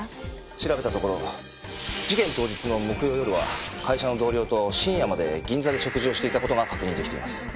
調べたところ事件当日の木曜夜は会社の同僚と深夜まで銀座で食事をしていた事が確認できています。